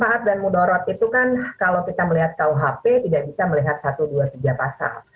manfaat dan mudarat itu kan kalau kita melihat kuhp tidak bisa melihat satu dua tiga pasal